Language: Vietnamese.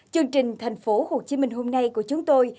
chương trình thành phố hồ chí minh hôm nay của chúng tôi